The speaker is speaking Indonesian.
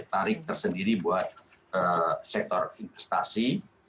yang mungkin jadi daya tarik tersendiri buat sektor investasi